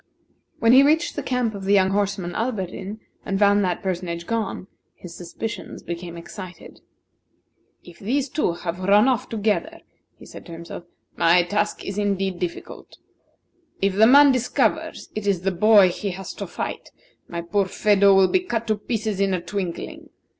When he reached the camp of the young horseman, Alberdin, and found that personage gone, his suspicions became excited. "If these two have run off together," he said to himself, "my task is indeed difficult. If the man discovers it is the boy he has to fight, my poor Phedo will be cut to pieces in a twinkling.